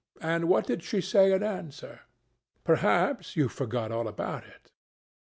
And what did she say in answer? Perhaps you forgot all about it."